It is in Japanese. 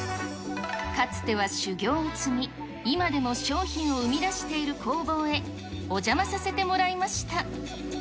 かつては修業を積み、今でも商品を生み出している工房へ、お邪魔させてもらいました。